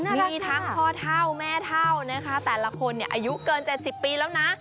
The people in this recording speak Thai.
มีทั้งพ่อเท่าแม่เท่านะคะแต่ละคนอายุเกิน๗๐ปีแล้วนะ